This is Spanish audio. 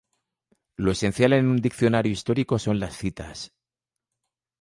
Lo esencial en un diccionario histórico son las citas.